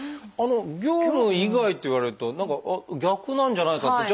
「業務以外」って言われると何か逆なんじゃないかってちょっと。